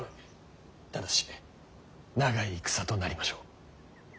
ただし長い戦となりましょう。